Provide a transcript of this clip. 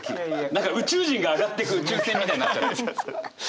何か宇宙人が上がってく宇宙船みたいになっちゃって。